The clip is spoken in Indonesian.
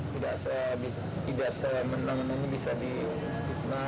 tidak semenang menangnya bisa dipitnah